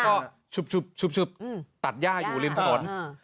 เขาก็ชุบตัดย่าอยู่ลิ้นผล